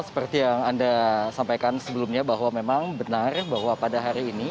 seperti yang anda sampaikan sebelumnya bahwa memang benar bahwa pada hari ini